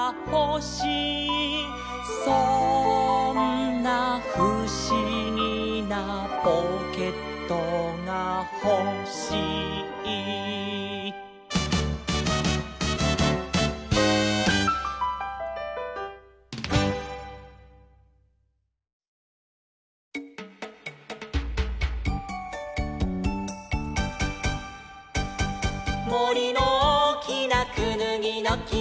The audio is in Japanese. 「そんなふしぎなポケットがほしい」「もりのおおきなくぬぎのきはね」